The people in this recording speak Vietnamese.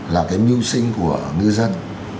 là cái mưu sinh của ngư dân